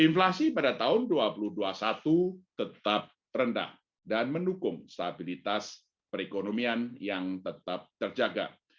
inflasi pada tahun dua ribu dua puluh satu tetap rendah dan mendukung stabilitas perekonomian yang tetap terjaga